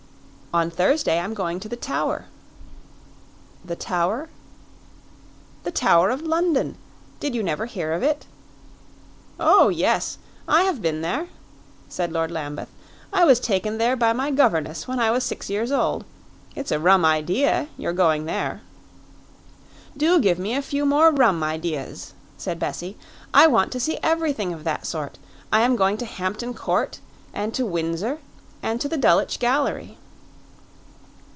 "On Thursday I am going to the Tower." "The Tower?" "The Tower of London. Did you never hear of it?" "Oh, yes, I have been there," said Lord Lambeth. "I was taken there by my governess when I was six years old. It's a rum idea, your going there." "Do give me a few more rum ideas," said Bessie. "I want to see everything of that sort. I am going to Hampton Court, and to Windsor, and to the Dulwich Gallery."